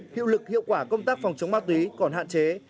hiệu lực hiệu quả công tác phòng chống ma túy còn hạn chế